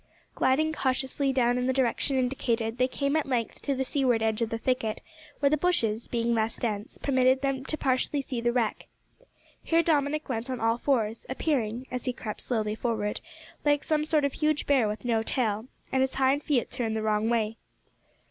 Gliding cautiously down in the direction indicated, they came at length to the seaward edge of the thicket, where the bushes, being less dense, permitted them to partially see the wreck. Here Dominick went on all fours, appearing, as he crept slowly forward, like some sort of huge bear with no tail, and its hind feet turned the wrong way.